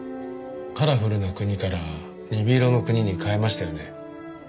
『カラフルなくに』から『鈍色のくに』に変えましたよね。